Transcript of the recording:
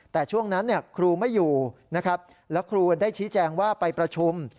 แต่ช่วงนั้นครูไม่อยู่นะครับแล้วครูได้ชี้แจงว่าไปประชุม